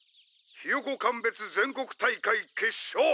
ヒヨコ鑑別全国大会決勝。